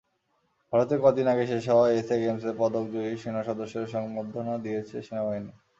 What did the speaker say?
ভারতে কদিন আগে শেষ হওয়া এসএ গেমসে পদকজয়ী সেনা সদস্যদের সংবর্ধনা দিয়েছে সেনাবাহিনী।